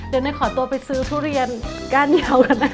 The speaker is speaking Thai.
เดี๋ยวหน่อยขอตัวไปซื้อทุเรียนก้านเยาค่ะนะคะ